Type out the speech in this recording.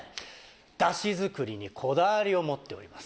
ダシづくりにこだわりを持っております。